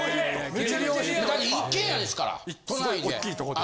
一軒家ですから都内で。